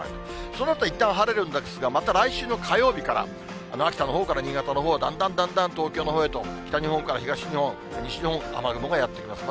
そのあとはいったん晴れるですが、また来週の火曜日から、秋田のほうから新潟のほう、だんだんだんだん東京のほうへと、北日本から東日本、西日本、雨雲がやって来ます。